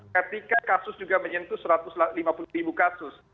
ketika kasus juga menyentuh seratus ribu kasus